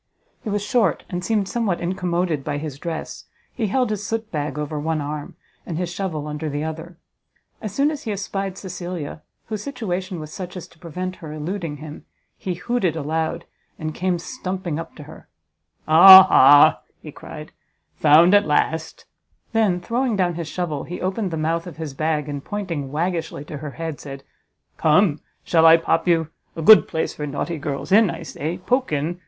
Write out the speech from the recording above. He was short, and seemed somewhat incommoded by his dress; he held his soot bag over one arm, and his shovel under the other. As soon as he espied Cecilia, whose situation was such as to prevent her eluding him, he hooted aloud, and came stumping up to her; "Ah ha," he cried, "found at last;" then, throwing down his shovel, he opened the mouth of his bag, and pointing waggishly to her head, said, "Come, shall I pop you? a good place for naughty girls; in, I say, poke in!